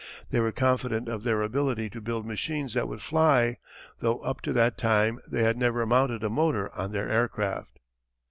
They were confident of their ability to build machines that would fly, though up to that time they had never mounted a motor on their aircraft.